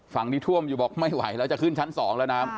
ฝั่งที่ท่วมอยู่บอกไม่ไหวแล้วจะขึ้นชั้นสองแล้วนะครับ